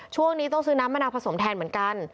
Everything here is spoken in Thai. ช่วงนี้ต้องซื้อน้ำมะนาวผสมแทนเหมือนกัน